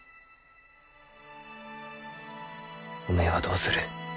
おめえはどうする？